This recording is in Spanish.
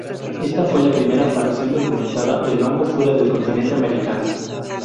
Esta fue la primera aparición documentada del hongo fuera del continente americano.